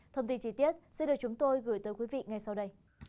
thông tin chi tiết sẽ được chúng tôi gửi tới quý vị ngay sau đây